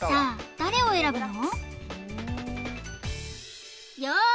誰を選ぶの？